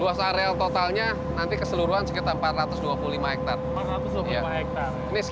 luas areal totalnya nanti keseluruhan sekitar empat ratus dua puluh lima hektare